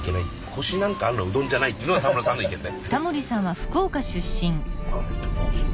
コシなんかあるのうどんじゃないっていうのがタモリさんの意見ね。